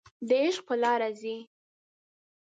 د عشق په لاره ځي